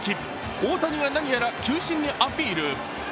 大谷が何やら球審にアピール。